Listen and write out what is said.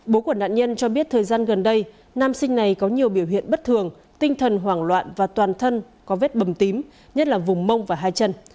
bố của nạn nhân cho biết thời gian gần đây nam sinh này có nhiều biểu hiện bất thường tinh thần hoảng loạn và toàn thân có vết bầm tím nhất là vùng mông và hai chân